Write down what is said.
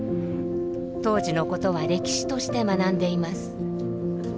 当時のことは歴史として学んでいます。